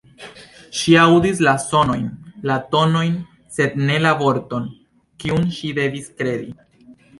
Ŝi aŭdis la sonojn, la tonojn, sed ne la vorton, kiun ŝi devis kredi.